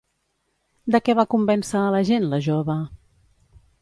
De què va convèncer a la gent la jove?